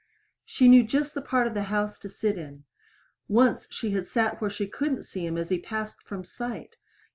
She knew just the part of the house to sit in. Once she had sat where she couldn't see him as he passed from sight!